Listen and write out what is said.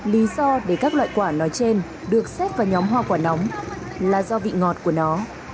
lý do để các loại quả nói trên được xếp vào nhóm hoa quả nóng là do vị ngọt của nó